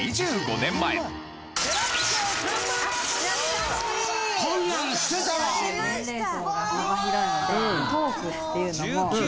年齢層が幅広いのでトークっていうのも。